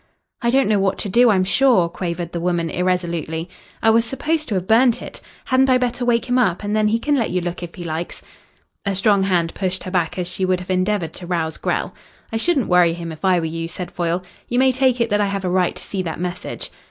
"I don't know what to do, I'm sure," quavered the woman irresolutely. "I was supposed to have burnt it. Hadn't I better wake him up, and then he can let you look if he likes?" A strong hand pushed her back as she would have endeavoured to rouse Grell. "I shouldn't worry him if I were you," said Foyle. "You may take it that I have a right to see that message."